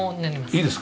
いいですか？